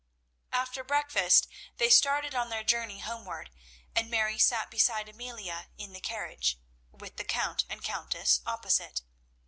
After breakfast they started on their journey homeward, and Mary sat beside Amelia in the carriage, with the Count and Countess opposite.